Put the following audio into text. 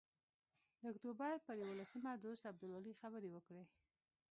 د اکتوبر پر یوولسمه دوست عبدالولي خبرې وکړې.